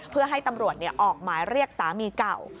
เพื่อให้ตำรวจออกหมายเรียกสามีเก่า